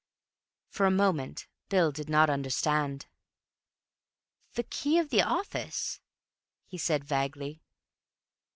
For a moment Bill did not understand. "Key of the office?" he said vaguely.